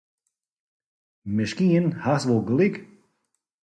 Miskien hast wol gelyk.